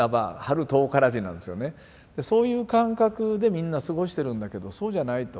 そういう感覚でみんな過ごしてるんだけどそうじゃないと。